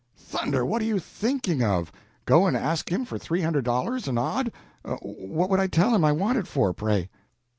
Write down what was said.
"Thunder! what are you thinking of? Go and ask him for three hundred dollars and odd? What would I tell him I want with it, pray?"